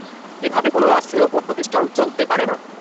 এভাবে কোনো রাষ্ট্রীয় প্রতিষ্ঠান চলতে পারে না।